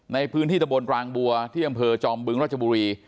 ในพื้นที่ตะบนรางบัวที่อำเภอจอมบึงรัชบุรี